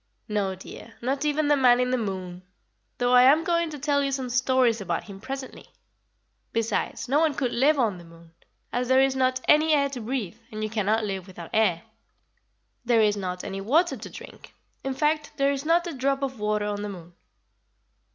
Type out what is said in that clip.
"No, dear, not even the 'Man in the Moon,' though I am going to tell you some stories about him presently. Besides, no one could live on the moon, as there is not any air to breathe, and you cannot live without air. There is not any water to drink; in fact, there is not a drop of water on the moon."